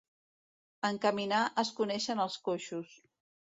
En caminar es coneixen els coixos.